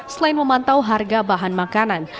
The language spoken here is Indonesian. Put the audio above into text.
selain memantau harga bahan makanan